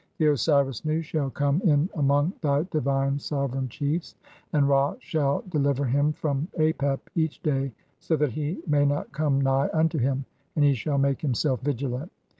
The Osiris Nu shall come "in among thy divine sovereign chiefs, (24) and Ra shall de liver him from Apep each day so that he may not come nigh "unto him, and he shall make himself vigilant.